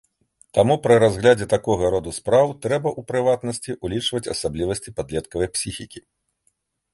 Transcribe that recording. Таму пры разглядзе такога роду спраў трэба, у прыватнасці, улічваць асаблівасці падлеткавай псіхікі.